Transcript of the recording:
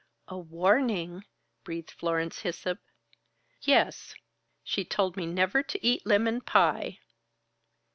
"A warning!" breathed Florence Hissop. "Yes. She told me never to eat lemon pie."